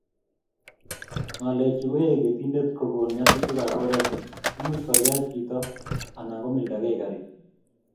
Ngalechu koyai ketitendet kokon nyasutikab oret imuch koriach chito anan komilmildakei garit